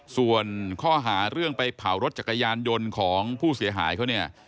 ส่วนข้อหาเรื่องไปเผารถจักรยานยนต์ของผู้เสียหายเขาเนี่ย